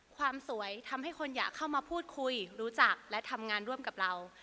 ความสวยทำให้คนอยากเข้ามาพูดคุยรู้จักและทำงานร่วมกับเรา